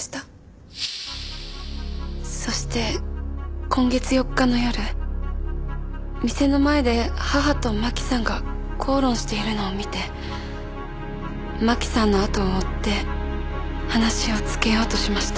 そして今月４日の夜店の前で母と真輝さんが口論しているのを見て真輝さんのあとを追って話をつけようとしました。